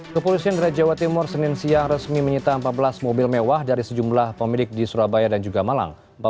kepolisian daerah jawa timur senin siang resmi menyita empat belas mobil mewah dari sejumlah pemilik di surabaya dan juga malang